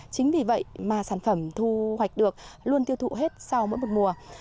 chính vì vậy mà sản phẩm thu hoạch được luôn tiêu thụ hết sau mỗi một mùa